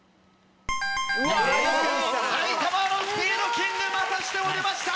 埼玉のスピードキングまたしても出ました！